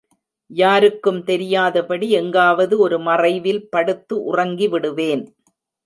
யாருக்கும் தெரியாதபடி எங்காவது ஒரு மறைவில் படுத்து உறங்கிவிடுவேன்.